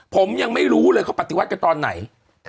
ผมยังไม่รู้เลยเขาปฏิวัติกันตอนไหน